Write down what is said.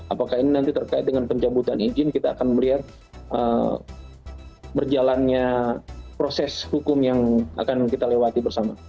apakah ini nanti terkait dengan pencabutan izin kita akan melihat berjalannya proses hukum yang akan kita lewati bersama